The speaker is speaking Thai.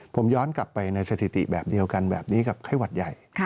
ผมย้อนกลับไปในสถิติแบบเดียวกันแบบนี้กับไข้หวัดใหญ่